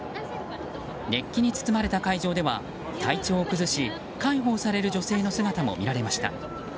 熱気に包まれた会場では体調を崩し介抱される女性の姿も見られました。